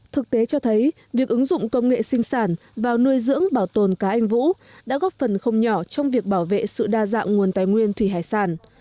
thực tế cho thấy việc ứng dụng công nghệ sinh sản vào nuôi dưỡng bảo tồn cá anh vũ đã góp phần không nhỏ trong việc bảo vệ sự đa dạng nguồn tài năng